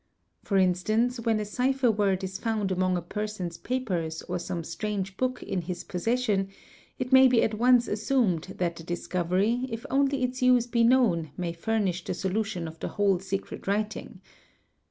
For instance when a cipher word is found among ' a person's papers or some strange book in his possession, it may be at : once assumed that the discovery, if only its use be known, may furnish "the solution of the whole secret writing.